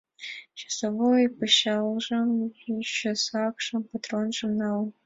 Часовойын пычалжым, чосакшым, патронжым налыт.